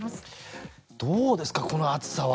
どうですか、この暑さは。